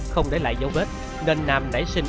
không để lại dấu vết nên nam nảy sinh